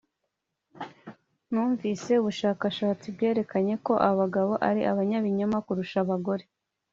Numvise ubushakashatsi bwerekanye ko abagabo ari abanyabinyoma kurusha abagore